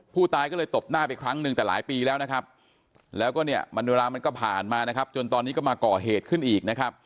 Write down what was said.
ผู้ตายก็เลยตบหน้าไปครั้งหนึ่งแต่หลายปีแล้วแล้วก็มณุษยามันก็ผ่านมาจนตอนนี้ก็มาเกาะเหตุขึ้นอีก